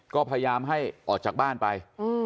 ก็พยายามให้ออกจากบ้านไป